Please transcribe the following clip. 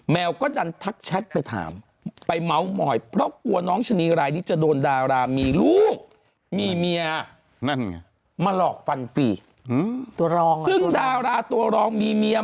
มันมีแชทให้ดูด้วยนะแม่นี่แขนแชทเลย